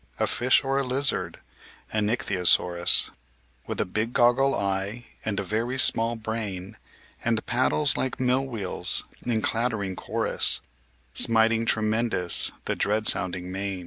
A fish or a lizard ? An Ichthyosaurus, With a big goggle eye and a very small brain, And paddles like mill wheels in clattering chorus, Smiting tremendous the dread sounding main."